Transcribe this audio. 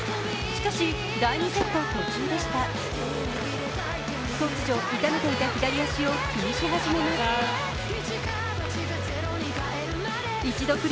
しかし、第２セット途中でした、突如、痛めていた左足を気にし始めます。